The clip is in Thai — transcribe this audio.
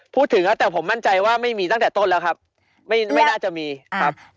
พูดถึงครับแต่ผมมั่นใจว่าไม่มีตั้งแต่ต้นแล้วครับไม่ไม่น่าจะมีครับ